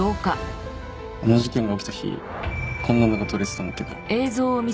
あの事件が起きた日こんなのが撮れてたんだけど。